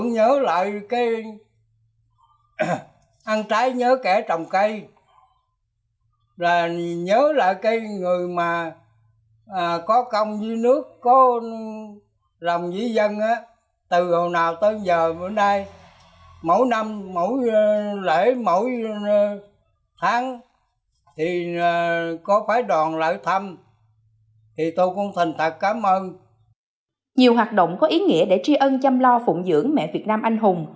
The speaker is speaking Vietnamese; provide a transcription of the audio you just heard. nhiều hoạt động có ý nghĩa để tri ân chăm lo phụng dưỡng mẹ việt nam anh hùng